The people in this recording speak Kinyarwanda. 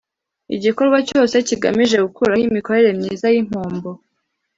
igikorwa cyose kigamije gukuraho imikorere myiza y'impombo